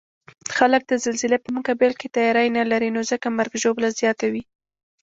خلک د زلزلې په مقابل کې تیاری نلري، نو ځکه مرګ ژوبله زیاته وی